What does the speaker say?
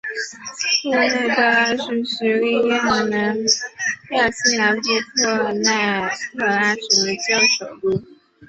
库奈特拉是叙利亚西南部库奈特拉省的旧首都。